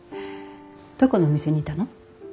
どこの店にいたの？